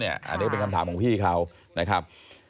อันนี้เป็นคำถามของพี่เขานะครับ